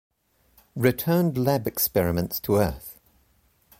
Returned lab experiments to earth.